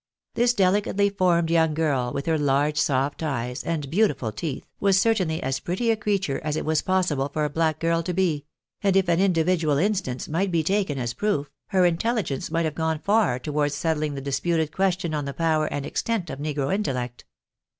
This delicately formed young girl, with her large soft eyes, and beauti ful teeth, was certainly as pretty a creature as it was possible for a black girl to be ; and if an individual instance might be taken as proof, her inteUigence might have gone far towards settling the disputed question on the power and extent of negro intellect.